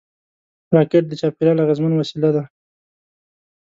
راکټ د چاپېریال اغېزمن وسیله ده